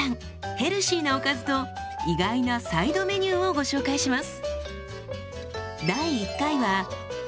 ヘルシーなおかずと意外なサイドメニューをご紹介します。